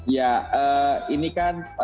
ya ini kan